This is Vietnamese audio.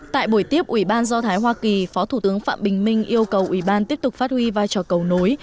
tại buổi tiếp ủy ban do thái hoa kỳ phó thủ tướng phạm bình minh yêu cầu ủy ban tiếp tục phát huy vai trò cầu nối